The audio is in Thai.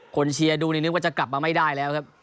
เชียร์ดูนี่นึกว่าจะกลับมาไม่ได้แล้วครับ